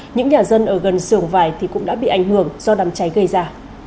những nhà dân ở gần sưởng vải cũng đã bị ảnh hưởng do đám cháy gây ra